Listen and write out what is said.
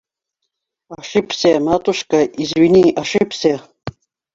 Ошибся, матушка, извини, ошибся...